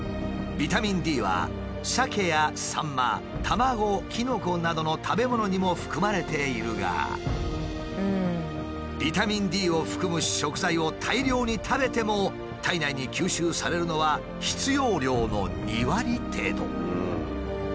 ビタミンＤはサケやサンマ卵キノコなどの食べ物にも含まれているがビタミンＤを含む食材を大量に食べても体内に吸収されるのは必要量の２割程度。